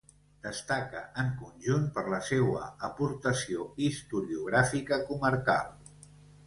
Destaca en conjunt per la seua aportació historiogràfica comarcal.